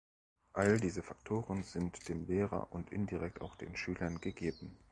All diese Faktoren sind dem Lehrer und indirekt auch den Schülern gegeben.